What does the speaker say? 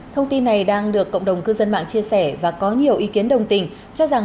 thông tin này đang được cộng đồng cư dân mạng chia sẻ và có nhiều ý kiến đồng tình cho rằng